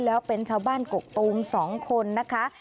แล้วเป็นชาวบ้านกกตูม๒คนนะคะ